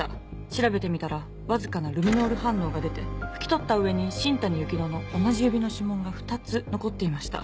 調べてみたらわずかなルミノール反応が出て拭き取った上に新谷由紀乃の同じ指の指紋が２つ残っていました。